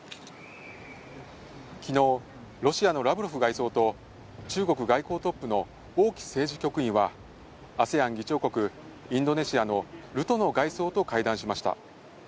きのう、ロシアのラブロフ外相と中国外交トップのオウ・キ政治局員はＡＳＥＡＮ議長国・インドネシアのルトノ外相と会談しました。